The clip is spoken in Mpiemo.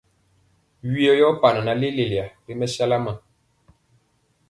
Vyɔ yɔɔ panɔ na leleyiya ri mɛsala ma.